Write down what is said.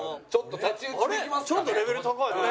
ちょっとレベル高いな。